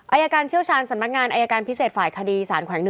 อายการเชี่ยวชาญสำนักงานอายการพิเศษฝ่ายคดีสารแขวง๑